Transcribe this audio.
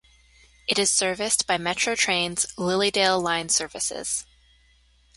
It is serviced by Metro Trains' Lilydale line services.